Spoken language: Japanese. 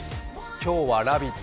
今日は「ラヴィット！」